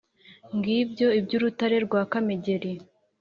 ngibyo iby'urutare rwa kamegeri